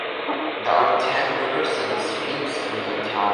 There are ten rivers and streams in the town.